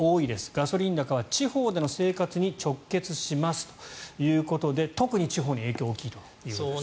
ガソリン高は地方での生活に直結しますということで特に地方に影響が大きいということですね。